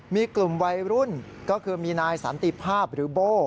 มีกลุ่มวัยรุ่นก็คือมีนายสันติภาพหรือโบ้